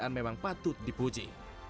dan kemanusiaan memang patut dipuji